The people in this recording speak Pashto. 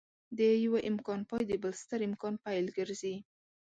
د يوه امکان پای د بل ستر امکان پيل ګرځي.